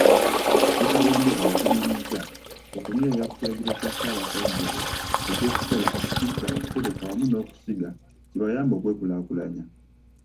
Ssekabembe abakubirizza okunywerera ku kiragiro kya Ssaabasajja eky'okukola, okufissa, okutereka wamu n'okusiga kibayambe okwekulaakulanya.